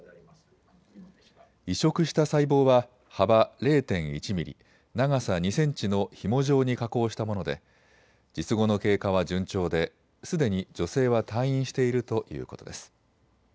移植した細胞は幅０．１ミリ、長さ２センチのひも状に加工したもので術後の経過は順調ですでに女性は退院しているということです。